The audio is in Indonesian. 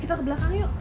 kita ke belakang yuk